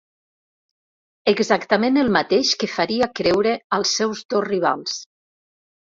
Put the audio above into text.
Exactament el mateix que faria creure als seus dos rivals.